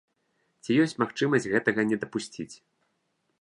Ці ёсць магчымасць гэтага не дапусціць?